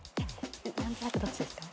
何となくどっちですか？